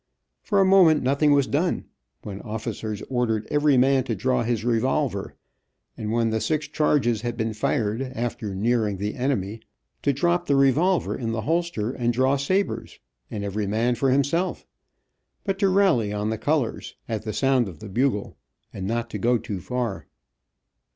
For a moment nothing was done, when officers ordered every man to draw his revolver, and when the six charges had been fired, after near ing the enemy, to drop the revolver in the holster, and draw sabers, and every man for himself, but to rally on the colors, at the sound of the bugle, and not to go too far.